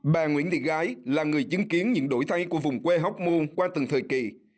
bà nguyễn thị gái là người chứng kiến những đổi thay của vùng quê hóc môn qua từng thời kỳ